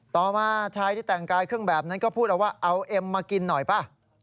ต่อมาชายที่แต่งกายเครื่องแบบนั้นก็พูดเอาว่าเอาเอ็มมากินหน่อยป่ะ